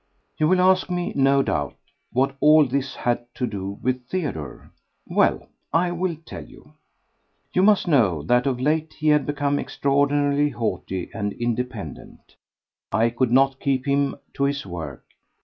You will ask me, no doubt, what all this had to do with Theodore. Well! I will tell you. You must know that of late he had become extraordinarily haughty and independent. I could not keep him to his work.